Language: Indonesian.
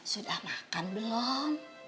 sudah makan belum